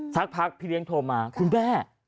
สักพักพี่เลี้ยงโทรมาคุณแม่